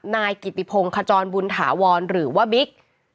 นายกิติพงศ์ขจรบุญถาวรหรือว่าบิ๊ก